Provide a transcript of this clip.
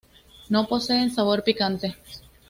No poseen sabor picante.